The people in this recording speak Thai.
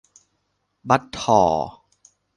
ปั๊ดธ่อ